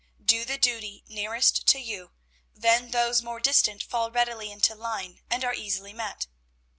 Do the duty nearest to you, then those more distant fall readily into line and are easily met.